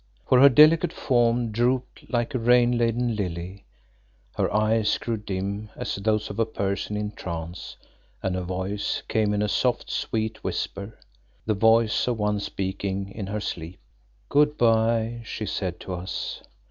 For her delicate form drooped like a rain laden lily, her eyes grew dim as those of a person in a trance, and her voice came in a soft, sweet whisper, the voice of one speaking in her sleep. "Good bye," she said to us.